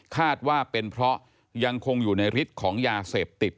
คาดว่าเป็นเพราะยังคงอยู่ในฤทธิ์ของยาเสพติด